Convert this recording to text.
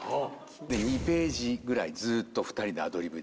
２ページぐらいずっと２人でアドリブで。